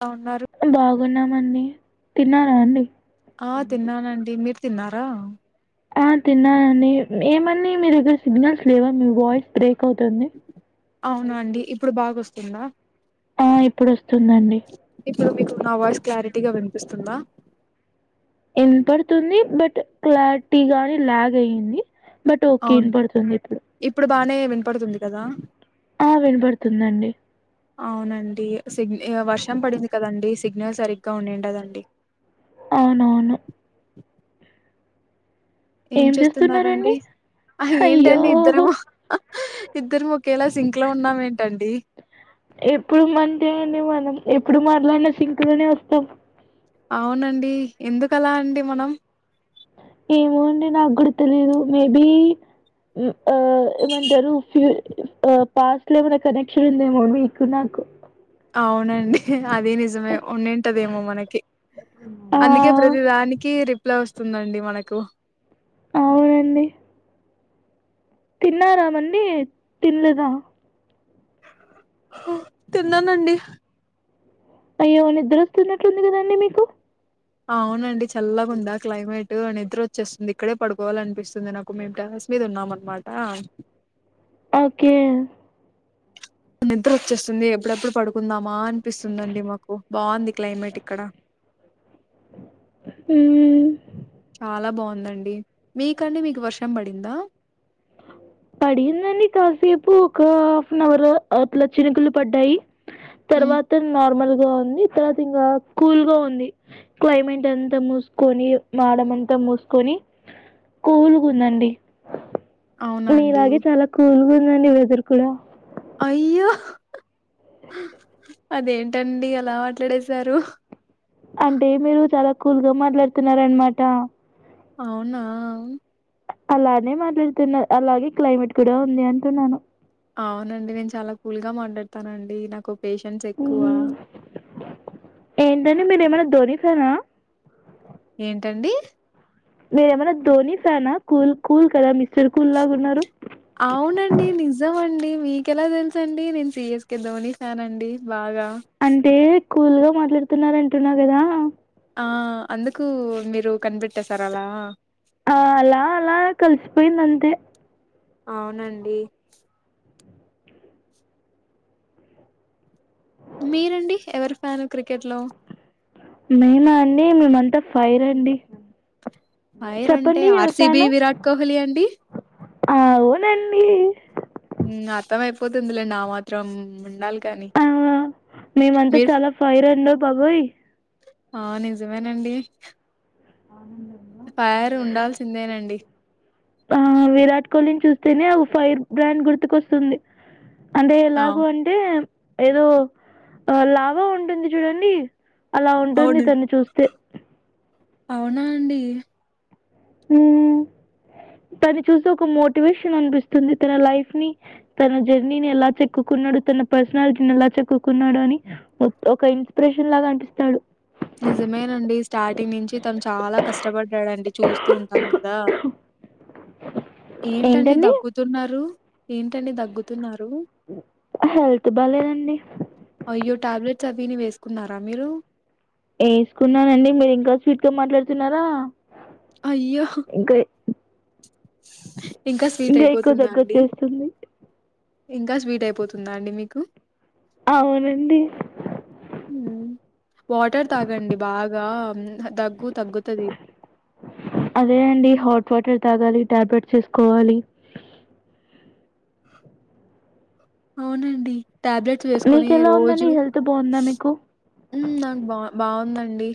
[inaudible] లా ఉన్నారు గున్నామండి తిన్నారా అండి ఆ తిన్నానండి మీర్ తిన్నారా. ఆ తిన్నానండి ఏమ్మండి మీ దగ్గర సిగ్నల్స్ లేవా మీ వాయిస్ బ్రేక్ అవుతుంది. అవునా అండి ఇప్పుడు బాగొస్తుందా. ఆ ఇప్పుడొస్తుందండి ఇప్పుడు మీకు నా వాయిస్ క్లారిటీగా వినిపిస్తుందా. వినపడుతుంది బట్ క్లారిటీ గాని లాగ్ అయింది. బట్ ఓకే అవును ఇన్బడుతుంది ఇప్పుడు. వినపడుతుంది కదా ఆ వినపడుతుందండి అవునండీ సిగ్ ఇగ వర్షం పడింది కదండి సిగ్నల్ సరిగ్గా ఉండిండదండి. అవునవును ఏం చేస్తున్నారండి ఆహ అయ్యో! ఏంటండి ఇద్దరము ఇద్దరము ఒకేలా సింక్లో ఉన్నాం ఏంటండీ. ఎప్పుడు మన్తే అండి మనం ఎప్పుడు మాట్లాడినా సింక్లోనే వస్తాం. అవునండి ఎందుకలా అండి మనం. ఏమో అండి నాక్ గూడ తెలీదు మేబీ ఆ ఏమంటరు ఫ్యూ ఆ పాస్ట్ లో ఏమన్న కనెక్షన్ ఉందేమో మీకు నాక్ కు అవునండి అదీ నిజమే ఉండింటదేమో మనకి ఆ! అందుకే ప్రతిదానికి రిప్ ప్లే వస్తుందండి మనకు అవునండి తిన్నారా మల్లి తిన్లేదా తిన్నానండి అయ్యో నిద్ర వస్తున్నట్లు ఉంది కదండి మీకు అవునండి చల్లగా ఉంది క్లైమే ట్ నిద్ర వచ్చేస్తుంది ఇక్కడే పడుకోవాలనిపిస్తుంది నాకు మేము టెర్రస్ మీద ఉన్నాం అన్నమాట ఓకే నిద్ర వచ్చేస్తుంది ఎప్పుడెప్పుడు పడుకుందా మా అనిపిస్తుందండి మాకు బాగుంది క్లైమేట్ ఇక్కడ హ్మ్. చాలా బాగుందండి మీకండి మీకు వర్షం పడిందా పడిందండి కాసేపు ఒక హాఫ్ అన్ అవర్ అట్లా చినుకులు పడ్డాయి హ్మ్ తర్వాత నార్మల్ గా ఉంది తర్వాత ఇంగా కూల్ గా ఉంది క్లైమేట్ అంతా మూసుకొని మాడమంతా మూసుకొని కూల్ గుందండి అవునా అండి మీలాగే చాలా కూల్ గా ఉందండి వెదర్ కూడా అయ్యో అదేంటండి అలా మాట్లాడేసారు అంటే మీరు చాలా కూల్ గా మాట్లాడుతున్నారన్నమాట అవునా అలానే మాట్లాడుతున్న అలాగే క్లైమేట్ కూడా ఉంది అంటున్నాను గా మాట్లాడతానండి నాకొ ఉహు ఏంటండి మీరు ఏమైనా ధోని ఫ్యాన్ ఆ ఏంటండి మీరు ఏమన్నా ధోని ఫ్యాన కూల్ కూల్ కదా మిస్టర్ కూల్ లాగా ఉన్నారు అవునండి నిజం అండి మీకెలా తెలుసు అండి నేను సిఎస్కే ధోని ఫ్యాన్ అండి బాగా అంటే కూల్ గా మాట్లాడుతున్నార అంటున్నా గదా ఆ అందుకు మీరు కనిపెట్టేసారలా ఆ అలా అలా కలిసిపోయింది అంతే అవునండి మీరండి ఎవరి ఫ్యాను క్రికెట్ లో మేమ అండి మేమంతా ఫైర్ అండి ఫైర్ అంటే చెప్పండి ఎవరి ఆర్సిబి ఫ్యాను? విరాట్ కోహ్లీ అండి అవునండి ఉమ్నా అర్థం అయిపోతుందిలేండి ఆ మాత్రం ఉండాల్ ఆ మేమంతా చాలా ఫైర్ అండో బాబోయ్ ఆ నిజమేనండి ఫైర్ ఉండాల్సిందేనండి ఆ విరాట్ కోహ్లీని చూస్తేనే ఒ ఫైర్ బ్రాండ్ గుర్తుకొస్తుంది అంటే ఆ ఎలాగొ అంటే ఏదో లావా ఉంటుంది చూడండి అలా ఉంటుంది అవును ఇతన్ని చూస్తే అవునా అండి ఉ తని చూస్తె ఒక మోటివేషన్ అనిపిస్తుంది తన లైఫ్ ని తన జర్నీని ఎలా చెక్కుకున్నాడు త న పర్సనాలిటీని ఎలా చెక్కున్నాడు అని ఒక ఇన్స్పిరేషన్ లాగా అపిస్తాడు నిజమేనండి స్టార్టింగ్ నుంచి తను చాలా కష్టపడ్డాడండి చూస్తూ ఉంటాం కదా ఏంటండి తగ్గుతున్నారు ఏంటని తగ్గుతున్నారు హెల్త్ బాలేదండి అయ్యో టాబ్లెట్స్ అవని వేసుకున్నారా మీరు వేసుకున్నానండి మీరు ఇంకా స్వీట్ గా మాట్లాడుతున్నారా అయ్యో ఇంకా ఇంకా స్వీట్ ఎక్కువ అయిపోతుందా అండి దగ్గొచ్చేస్తుంది ఇంకా స్వీట్ అయిపోతుందా అండి మీకు అవునండి ఉ వాటర్ తాగండి బాగా హ్మ్. దగ్గు తగ్గుతది అదే అండి హాట్ వాటర్ తాగాలి టాబ్లెట్స్ వేసుకోవాలి అవునండి టాబ్లెట్స్ వేసుకొని మీకెలా ఉందండి రోజు హెల్త్ బాగుందా మీకు ఉమ్ బా బాగుంది అండి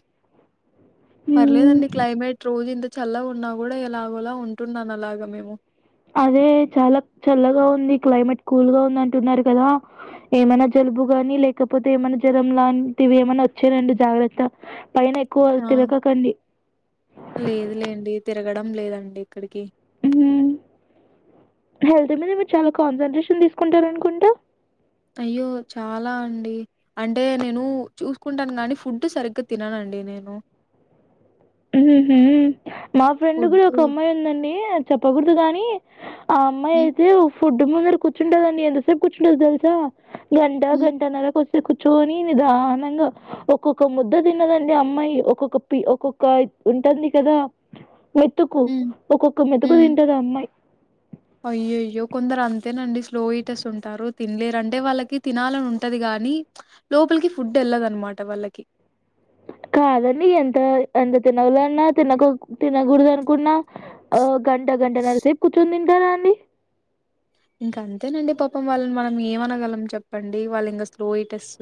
మ్మ్. పర్లేదండి క్లైమేట్ రోజు ఎ చల్ల ఉన్నా కూడా ఎలాగోలా ఉంటున్నాను అలాగ మేము అదే చాలా చల్లగా ఉంది క్లైమేట్ కూల్ గా ఉంది అంటున్నారు కదా ఏమైనా జల్ జలుబు గాని లేకపోతే ఏమనా జ్వరం లాంటివి ఏమన్నా వచ్చా రండి జాగ్రత్త పైన ఎక్కువ ఆ తిరగకండి లేదు లేండి తిరగడం లేదండి ఎక్కడికి మ్మ్. హెల్త్ మీరి మీరు చాలా కాన్సన్ట్రేషన్ తీసుకుంటార అనుకుంటా అయ్యో చాలా అండి అంటే నేను చూసుకుంటాను గానీ ఫుడ్ సరిగ్గా తిననండి నేను హు ఉమ్ మా ఫ్రెండ్ కూడా ఫుడ్ ఒక అమ్మాయి ఉందండి చెప్పకూడదు కాగాని ఆ అమ్మాయి హ్మ్ అయితే ఫుడ్ ముందర కూర్చుంటుదండి ఎంతసేపు కూర్చుంటుదు తెలుసా గంట హ్మ్ గంటన్నర కూర్చొని నిదానంగా ఒక్కొక్క ముద్ద తిన్నదండి అమ్మాయి ఒక్కొక్క పి ఒక్కొక్క ఉంటుంది కదా మెతుకు హ్మ్ ఒక్కొక్క మెతుకు తింటాది అమ్మాయి అయ్యో అయ్యో కొందరు అంతేనండి స్లో ఇయిట్ స్తు ఉంటారు తినలేరు అంటే వాళ్ళకి తినాలని ఉంటాది కాదు కానీ లోపలికి ఫుడ్ ఎల్లదన్నమాట వాళ్ళకి కాదండి ఎంత ఎంత తినలో అన్నా తినక తినకూడదు అనుకున్నా ఆ గంట గంట నారా సేపు కూర్చొని తింటారా అండి ఇంకా అంతేనండి పాపం వాళ్ళని మనం ఏమ అనగలం చెప్పండి వాళ్ళు ఇంకా స్లో ఇయిటెస్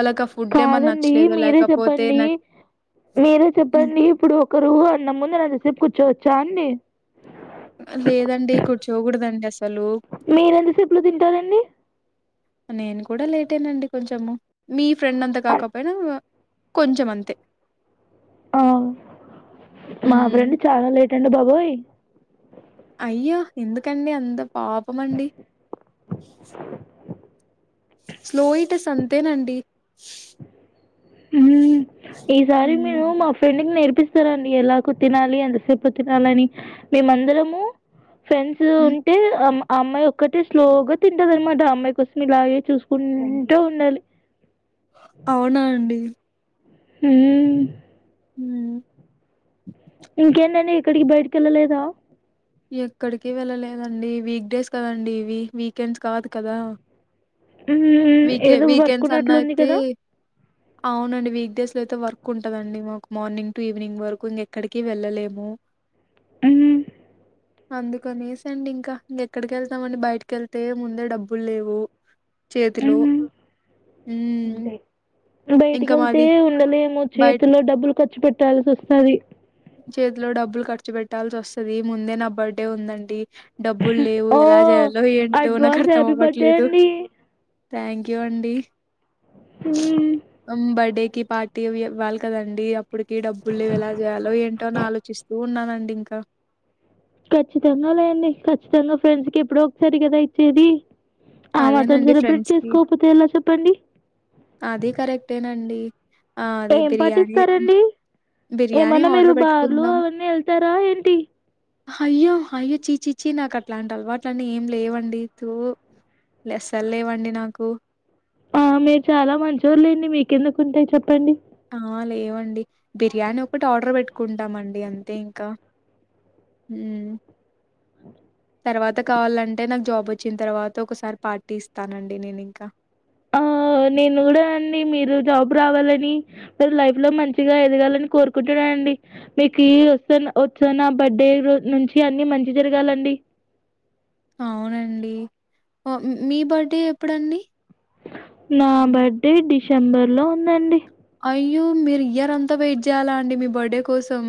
అలాక కాదండి మీరే చెప్పండి మీరే హ్మ్. చెప్పండి ఇప్పుడు ఒకరు అన్న ముందు అంతసేపు కూర్చోవచ్చా అండి లేదండి కూర్చోకూడదండి మీరు ఎంతసేపట్లో తింటారండి నేను కూడా లేట్ అయినండి కొంచము మీ ఫ్రెండ్ అంతా అన్- కాకపోయినా కొంచెం అంతే ఆ మా హ్మ్. ఫ్రెండ్ చాలా లేట్ అండి బాబోయ్ అయ్యా ఎందుకండి అంత పాపం అండి స్లోయిటాస్ అంతేనండి హమ్ ఈ సారి హ్మ్. మేము మా ఫ్రెండ్ నేర్పిస్తారండి ఎలాగ తినాలి ఎంతసేపు తినాలిని మేము అందరమూ ఫ్రెండ్స్ హ్మ్. ఉంటే అం ఆ అమ్మాయి ఒక్కటే స్లోగా తింటది అన్నమాట అమ్మాయి కోసం ఇలాగే చూసుకుంటూ ఉండాలి అవునా అండి హమ్ హమ్ ఇంకేంటండి ఇక్కడికి బయటి కెళ్ళలేదా ఎక్కడికి వెళ్ళలేదండి వీక్డేస్ కదండి ఇవి వీకెండ్స్ కాదు కదా ఉమ్ వీకే ఏదో వర్క్ వీకెండ్స్ అన్నా ఉన్నట్లు ఉంది అయితే కదా అవునండి వీక్ డేస్ లో అయితే వర్క్ ఉంటదండి మాకు మార్నింగ్ టు ఈవినింగ్ వరకు ఇంక ఎక్కడికి వెళ్ళలేము ఉమ్ హుమ్ అందుకనేసి అండి ఇంకా ఇంకెక్కడికి వెళ్తామండి బయటికి వెళ్తే ముందే డబ్బులు లేవు చేతిలో మ్మ్. హుమ్ బయటికి వెళ్తే ఉండలేము బయట చేతుల్లో డబ్బులు ఖర్చు పెట్టాల్సి వస్తాది చేతిలో డబ్బులు ఖర్చు పెట్టాల్సి వస్తది ముందే నా బర్త్డే ఉందండి డబ్బులు లేవు ఓ ఎలా చేయాలో ఏంటో నాకు అడ్వాన్స్ అర్థం హ్యాపీ బర్త్డే అవ్వట్లేదు అండి థ్యాంక్ యూ అండి మ్మ్. ఉమ్ బర్డే కి పార్టీ అవి ఇవ్వాలి కదండి అప్పటికి డబ్బులు లేవు ఎలా చేయాలి అవి ఏంటో అని ఆలోచిస్తూ ఉన్నానండి ఇంకా ఖచ్చితంగా లేండి ఖచ్చితంగా ఫ్రెండ్స్ కి ఎప్పుడో ఒకసారి కదా ఇచ్చేది ఆ మాత్రం అదేనండి సెలబ్రేట్ ఫ్రెండ్స్ కి చేసుకోకపోతే ఎలా చెప్పండి అది కరెక్టే నండి ఏం పార్టీ ఇస్తారండి బిర్యానీ ఏమన్నా మీరు ఆర్డర్ బార్లు పెట్టుకుందాం అవన్నీ వెళ్తారా ఏంటి అయ్యో అయ్యో చీచిచ్చి నాకు అట్లాంటి అలవాట్లని ఏం లేవండి తూ లెస్సలు లేవండి నాకు ఆ మీరు చాలా మంచోళ్ళు లేండి మీకెందుకు ఉంటాయి చెప్పండి ఆ లేవండి బిర్యానీ ఒకటి ఆర్డర్ పెట్టుకుంటామండి అంతే ఇంకా హుమ్ అ [unintelligible] తర్వాత కావాలంటే నాకు జాబ్ వచ్చిన తర్వాత ఒకసారి పార్టీ ఇస్తానండి నేను ఇంకా ఆ ఓ నేను కూడా అండి మీకు జాబ్ రావాలని మీ లైఫ్ లో మంచిగా ఎదగాలని కోరుకుంటున్నా అండి మీకి వస్తున్న వస్తున్న బర్త్డే రోజు నుంచి అన్ని మంచి జరగాలండి [inaudible] అవునండి ఓ మీ బర్త్డే ఎప్పుడండి నా బర్త్డే డిసెంబర్ లో ఉందండి అయ్యో మీరు ఇయర్ అంతా వెయిట్ చేయాలా అండి మీ బర్డే కోసం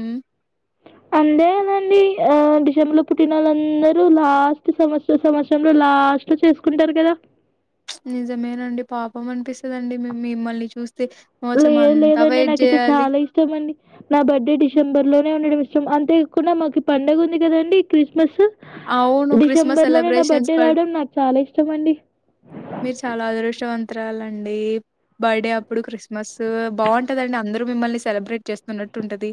అ అంతే కదండి డిసెంబర్ లో పుట్టిన వాళ్ళందరూ లాస్ట్ సంవత్స సంవత్సరంలో లాస్ట్ లాస్ట్ లో చేసుకుంటారు కదా నిజమేనండి పాపం అనిపిస్తుందండి మే మిమ్మల్ని చూస్త లేదు లేదండి నాకైయితే చాలా ఇష్టమ అండి నా బర్త్డే డిసెంబర్ లోనే ఉండడం అంతే కాకుండా మాకు పండగ ఉంది కదండి క్రిస్మస్ అవును. క్రిస్మస్ డిసెంబర్ లోనే నా సెలబ్రేషన్స్ బర్త్డే బట్ రావడం నాకు చాలా ఇష్టం అండి మీరు చాలా అదృష్టవంతు చిత్రాలండి బర్డె అప్పుడు క్రిస్మస్ బావుంటదండి అందరు మిమ్మల్ని సెలబ్రేట్ చేస్తున్నట్టు టు ఉంటది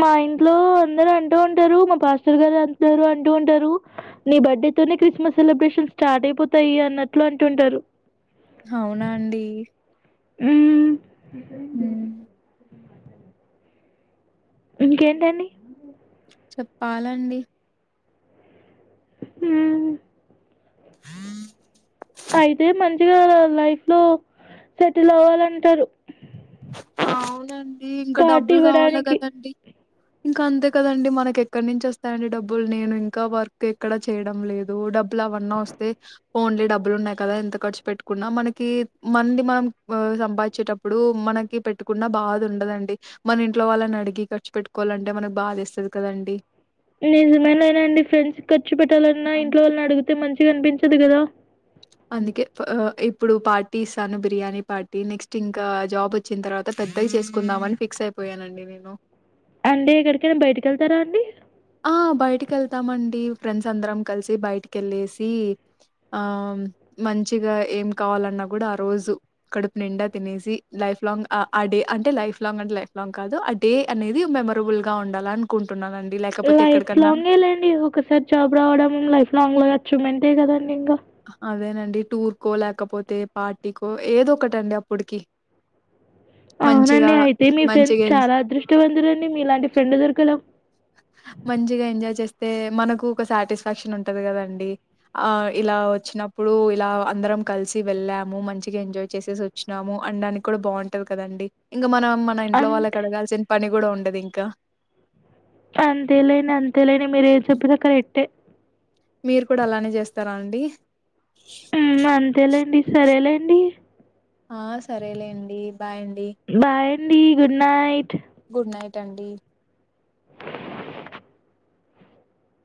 మా ఇంట్లో అందరు అంటూ ఉంటారు మా ఫస్టర్ గారు అంతరు అంటూ ఉంటారు నీ బర్డె తునే క్రిస్మస్ సెలబ్రేషన్ స్టార్ట్ అయిపోతాయి అన్నట్లు అంటు ఉంటారు అవునా అండి హ్మ్. ఇంకేంటండి చెప్పాలండి హ్మ్ హ అయితే మంచిగా లైఫ్ లో సెటిల్ అవ్వాలంటారు అవునండి ఇంకా పార్టీ డబ్బులు కావాలా ఇవ్వడానికి. కదండీ ఇంకా అంతే కదండి మనకి ఎక్కడి నించి వస్తాయండి డబ్బులు నేను ఇంకా వర్క్ ఎక్కడా చేయడం లేదు డబ్బులు అవన్నా వస్తే ఓన్లీ డబ్బులు ఉన్నాయి కదా ఎంత ఖర్చు పెట్టుకున్నా మనకి మంది మనం సంపాదించేటప్పుడు మనక్ పెట్టుకున్న బాధ ఉండదండి మన ఇంట్లో వాళ్ళని అడిగి ఖర్చు పెట్టుకోవాలంటే మనకు బాధ ఎస్తది కదండి నిజమే అయిన అండి ఫ్రెండ్స్ ఖర్చు పెట్టాలన్నా ఇంట్లో వాళ్ళని అడిగితే మంచిగా అనిపించదు కదా అందుకే ఇప్పుడు పార్టీ ఇస్తాను బిర్యానీ పార్టీ నెక్స్ట్ ఇంకా జాబ్ వచ్చిన తర్వాత పెద్దలు చేసుకుందామ అని ఫిక్స్ అయి పోయానండి నేను అంటే ఎక్కడికైనా బయటకి వెళ్తారా అండి ఆ! బయటికెళ్తామండి ఫ్రెండ్స్ అందరం కలిసి బయటిక ఎళ్ళెసి ఆ మంచిగా ఏం కావాలన్నా కూడా ఆ రోజు కడుపు నిండా తినేసి లైఫ్ లాంగ్ ఆ డే అంటే లైఫ్ లాంగ్ అంటే లైఫ్ లాంగ్ కాదు ఆ డే అనేది మెమరబుల్గా ఉండాలని అనుకుంటన్నానండి లై లైఫ్ లాంగే లేండి ఒకసారి జాబ్ రావడం లైఫ్ లాంగ్ అచీవ్‌మెంటే కదండి ఇంగ అదేనండి టూర్కో లేకపోతే పార్టీకో ఏదో ఒకటండి అప్పుడుకి అవునండి అయితే మీ ఫ్రెండ్స్ మంచిగా ఎంజాయ్ చాలా అదృష్టవంతులండి మీలాంటి ఫ్రెండ్ దొరకడం అ మంచిగా ఎంజాయ్ చేస్తే మనకు ఒక సాటిస్ఫాక్షన్ ఉంటది కదండి ఆ ఇలా వచ్చినప్పుడు ఇప్పుడు ఇలా అందరం కలిసి వెళ్ళాము మంచిగా ఎంజాయ్ చేసేసి వచ్చినాము అనడానికి కూడా బాగుంటది కదండి ఇంకా మనం మన ఇంట్లో వాళ్ళకి అంతే అడగాల్సిన పని కూడా ఉండది ఇంకా అంతేలేండి అంతేలేని మీరు ఏం చెప్పిన కరెక్టే మీరు కూడా అలానే చేస్తారా అండి అంతేలేండి సరేలేండి ఆ సరేలేండి బాయ్ అండి బాయ్ అండి గుడ్ నైట్ గుడ్ నైట్ అండి